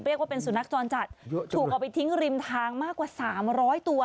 ว่าเป็นสุนัขจรจัดถูกเอาไปทิ้งริมทางมากกว่า๓๐๐ตัว